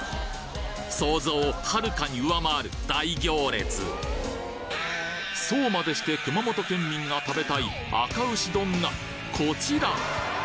想像をはるかに上回る大行列そうまでして熊本県民が食べたいあか牛丼がこちら！